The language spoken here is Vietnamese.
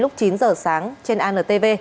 lúc chín giờ sáng trên antv